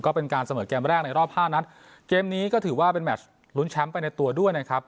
ก็เป็นการเสมอเกมแรกในรอบห้านัดเกมนี้ก็ถือว่าเป็นแมชลุ้นแชมป์ไปในตัวด้วยนะครับ